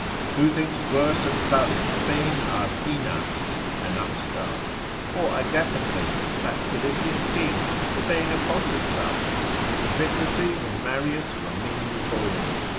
Who thinks worse of Tully for being arpinas, an upstart? Or Agathocles, that Silician king, for being a potter's son? Iphicrates and Marius were meanly born.